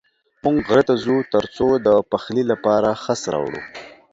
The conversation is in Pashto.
موږ غره ته ځو تر څو د پخلي لپاره خس راوړو.